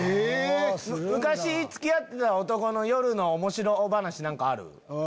え⁉昔付き合ってた男の夜のおもしろ話何かある？